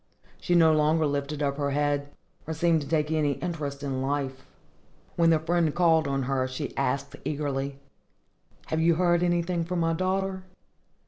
She no longer lifted up her head, or seemed to take any interest in life. When the friend called on her, she asked, eagerly, "Have you heard anything from my daughter?"